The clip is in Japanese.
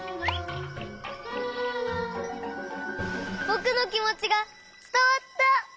ぼくのきもちがつたわった！